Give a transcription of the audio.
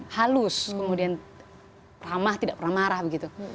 halus kemudian ramah tidak pernah marah begitu